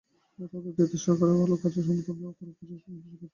তাদের দায়িত্ব সরকারের ভালো কাজের সমর্থন দেওয়া, খারাপ কাজের সমালোচনা করা।